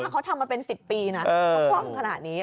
เขาทำมาเป็น๑๐ปีนะเขาคล่องขนาดนี้